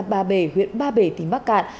hồ ba bể huyện ba bể tỉnh bắc cạn